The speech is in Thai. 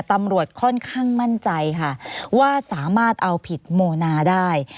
ตำรวจค่อนข้างมั่นใจค่ะว่าสามารถเอาผิดโมนาได้